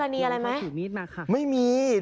นี่